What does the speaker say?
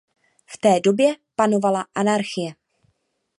V té době panovala anarchie.